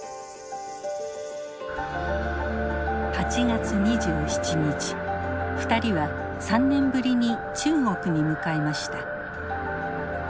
８月２７日２人は３年ぶりに中国に向かいました。